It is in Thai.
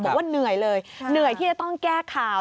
บอกว่าเหนื่อยเลยเหนื่อยที่จะต้องแก้ข่าว